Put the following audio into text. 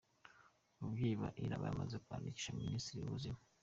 Ababyeyi ba Ella bamaze kwandikira Minisiteri y'Ubuzima.